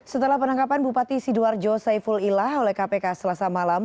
setelah penangkapan bupati sidoarjo saiful ilah oleh kpk selasa malam